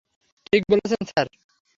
ঠিক বলেছেন, স্যার।